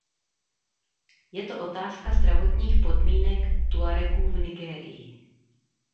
Je to otázka zdravotních podmínek Tuaregů v Nigérii.